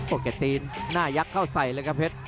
แกตีนหน้ายักษ์เข้าใส่เลยครับเพชร